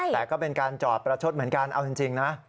แต่ก็เป็นการจอดประชดเหมือนกันเอาจริงนะ